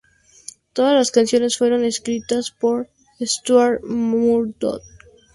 Todas las canciones fueron escritas por Stuart Murdoch